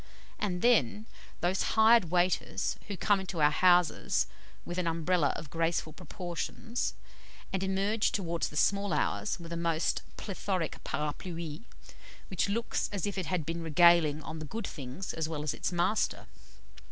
And then, those hired waiters who come into our houses with an Umbrella of graceful proportions, and emerge towards the small hours with a most plethoric parapluie, which looks as if it had been regaling on the good things as well as its master!